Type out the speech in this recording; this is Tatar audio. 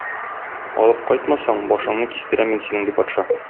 Алып кайтмасаң, башыңны кистерәм мин синең", - ди патша.